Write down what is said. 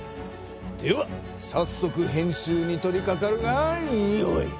ではさっそく編集に取りかかるがよい！